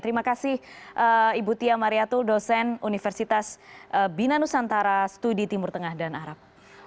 terima kasih ibu tia mariatul dosen universitas bina nusantara studi timur tengah dan arab